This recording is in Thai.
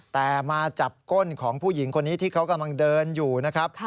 แต่มาจับก้นของผู้หญิงคนนี้ที่เขากำลังเดินอยู่นะครับ